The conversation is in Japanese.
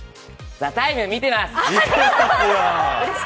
「ＴＨＥＴＩＭＥ，」見てます！！